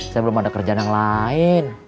saya belum ada kerjaan yang lain